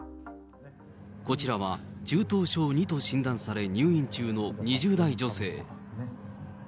こちらは中等症２と診断され、入院中の２０代女性。